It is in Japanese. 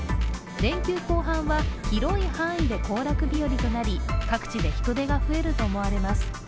連休後半は広い範囲で行楽日和となり、各地で人出が増えると思われます。